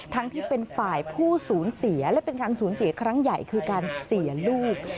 ทั้งที่เป็นฝ่ายผู้ศูนย์เสียและเป็นศูนย์เสียครั้งใหญ่คือการเสียลูก